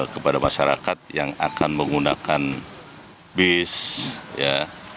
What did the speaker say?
kepada masyarakat yang akan menggunakan bis ya